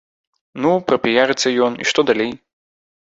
Ну, прапіярыцца ён, і што далей?